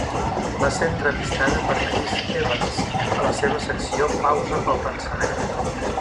Va ser entrevistada per Chris Evans a la seva secció "Pausa pel pensament".